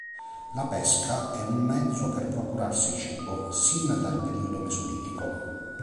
La pesca è un mezzo per procurarsi cibo sin dal periodo mesolitico.